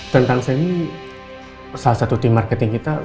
tentang semi salah satu tim marketing kita